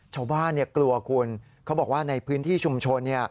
ชาวบ้านกลัวคนเขาบอกว่าในพื้นที่ชมชน